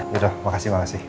yaudah makasih makasih